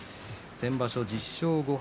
先場所は１０勝５敗。